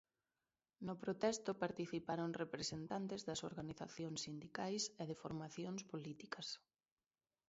No protesto participaron representantes das organizacións sindicais e de formacións políticas.